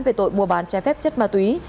về tội mua bán trái phép chất ma túy